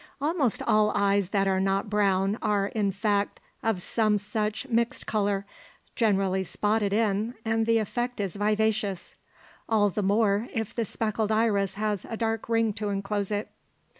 Almost all eves that are not brown are, in fact, of some such mixed colour, generally spotted in, and the effect is vivacious. All the more if the speckled iris has a dark ring to enclose it.